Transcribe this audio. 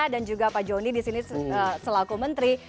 dan juga pak joni disini selaku menteri